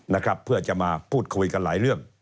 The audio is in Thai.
นะครับเพื่อจะมาพูดคุยกันหลายเรื่อง